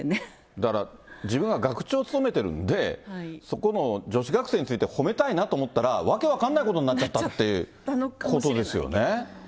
だから自分が学長を務めているんで、そこの女子学生について褒めたいなと思ったら、訳分かんないことになっちゃったということですよね。